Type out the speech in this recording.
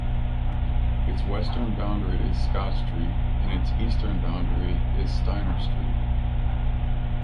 Its western boundary is Scott Street, and its eastern boundary is Steiner Street.